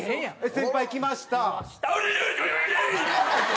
先輩来ました。